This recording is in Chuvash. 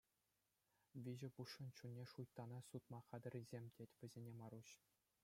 Виҫӗ пусшӑн чунне шуйттана сутма хатӗррисем тет вӗсене Маруҫ.